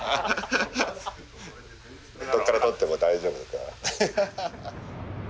どっから撮っても大丈夫かな。